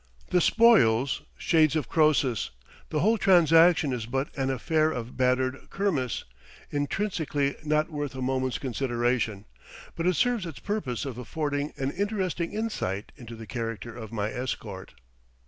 The "spoils!" Shades of Croesus! The whole transaction is but an affair of battered kermis, intrinsically not worth a moment's consideration; but it serves its purpose of affording an interesting insight into the character of my escort.